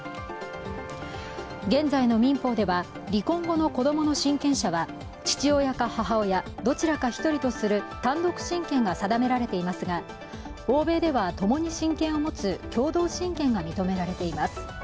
現在の民法では、離婚後の子供の親権者は父親か母親、どちらか一人にする単独親権が定められていますが欧米ではともに親権を持つ共同親権が認められています。